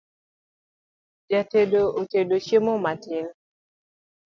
Jatedo otedo chiemo mamit